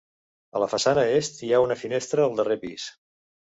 A la façana est hi ha una finestra al darrer pis.